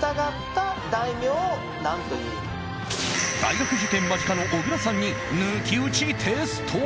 大学受験直前の小倉さんに抜き打ちテスト。